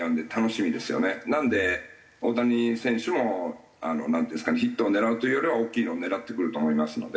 なので大谷選手もなんていうんですかねヒットを狙うというよりは大きいの狙ってくると思いますので。